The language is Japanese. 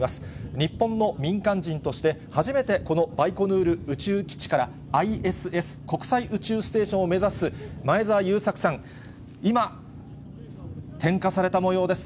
日本の民間人として初めてこのバイコヌール宇宙基地から、ＩＳＳ・国際宇宙ステーションを目指す前澤友作さん、今、点火されたもようです。